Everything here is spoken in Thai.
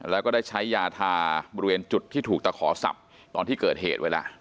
แล้วก็ได้ใช้ยาทาบริเวณจุดที่ถูกตะขอสับตอนที่เกิดเหตุไว้แล้ว